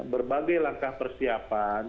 berbagai langkah persiapan